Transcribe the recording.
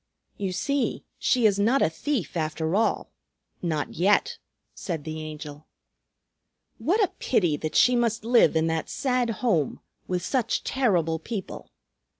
"You see, she is not a thief, after all; not yet," said the Angel. "What a pity that she must live in that sad home, with such terrible people!